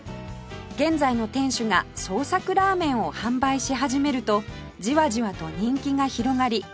現在の店主が創作ラーメンを販売し始めるとじわじわと人気が広がり